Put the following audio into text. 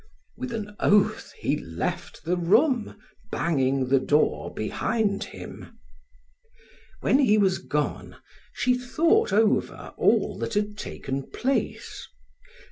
With an oath, he left the room, banging the door behind him. When he was gone, she thought over all that had taken place.